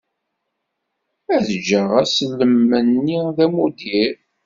Ad jjeɣ aslem-nni d amuddir.